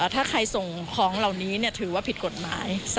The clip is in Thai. ถ้าใครส่งของเหล่านี้ถือว่าผิดกฎหมาย